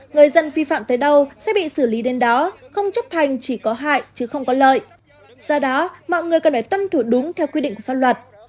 người dân vi phạm tới đâu sẽ bị xử lý đến đó không chấp hành chỉ có hại chứ không có lợi do đó mọi người cần phải tuân thủ đúng theo quy định của pháp luật